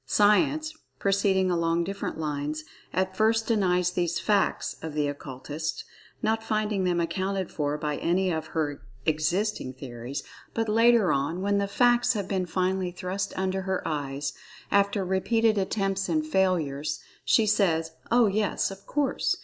Science, proceeding along different lines, at first denies these "facts" of the Occultists, not finding them accounted for by any of her existing[Pg 4] theories; but, later on, when the "facts" have been finally thrust under her eyes, after repeated attempts and failures, she says, "Oh, yes, of course!"